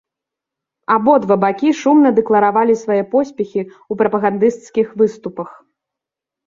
Абодва бакі шумна дэкларавалі свае поспехі ў прапагандысцкіх выступах.